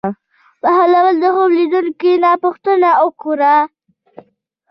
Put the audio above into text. بهلول د خوب لیدونکي نه پوښتنه وکړه.